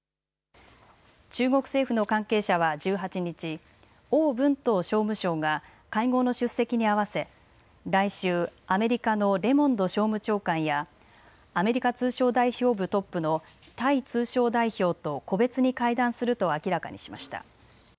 中国政府の関係者は１８日、王文涛商務相が会合の出席に合わせ来週、アメリカのレモンド商務長官やアメリカ通商代表部トップのタイ通商代表と個別に会談すると明らかにしました。